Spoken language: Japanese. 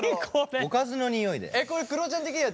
おかずのにおいだよ。